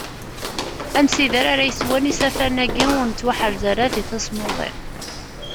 Amsider ara yeswen isafaren-agi ur nettwaḥrez ara deg tasmuḍi.